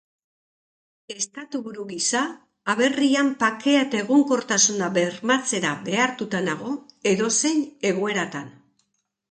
Estatuburu gisa, aberrian bakea eta egonkortasuna bermatzera behartuta nago, edozein egoeratan.